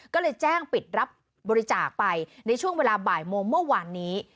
ก็เลยแจ้งปิดรับบริจาคไปในช่วงเวลาบ่ายโมงเมื่อวานนี้